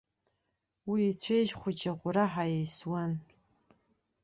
Уи ицәеижь хәыҷы акәараҳәа еисуан.